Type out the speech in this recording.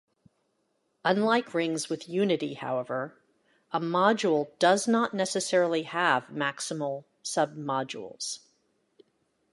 Unlike rings with unity however, "a module does not necessarily have maximal submodules".